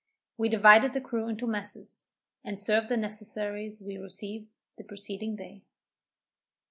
We divided the crew into messes, and served the necessaries we received the preceding day.